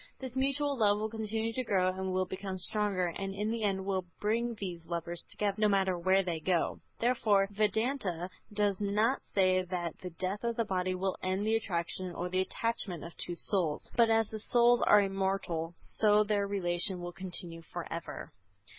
This mutual love will continue to grow and will become stronger, and in the end will bring these lovers together, no matter where they go. Therefore, Vedanta does not say that the death of the body will end the attraction or the attachment of two souls; but as the souls are immortal so their relation will continue forever.